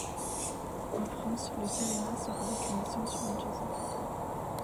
En France, le Serena sort avec un essence ou un diesel.